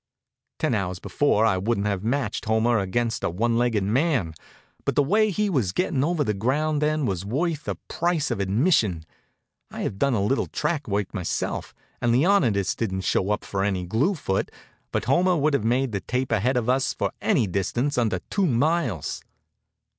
Ten hours before I wouldn't have matched Homer against a one legged man, but the way he was gettin' over the ground then was worth the price of admission. I have done a little track work myself, and Leonidas didn't show up for any glue foot, but Homer would have made the tape ahead of us for any distance under two miles.